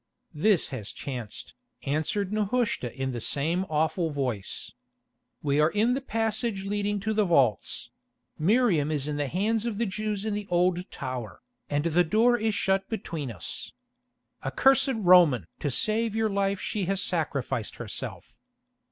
"This has chanced," answered Nehushta in the same awful voice. "We are in the passage leading to the vaults; Miriam is in the hands of the Jews in the Old Tower, and the door is shut between us. Accursed Roman! to save your life she has sacrificed herself.